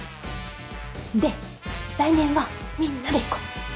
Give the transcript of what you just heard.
で来年はみんなで行こう。